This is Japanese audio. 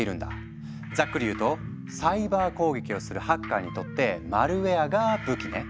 ざっくり言うとサイバー攻撃をするハッカーにとってマルウェアが武器ね。